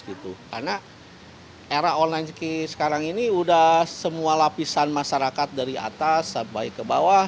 karena era online sekarang ini sudah semua lapisan masyarakat dari atas sampai ke bawah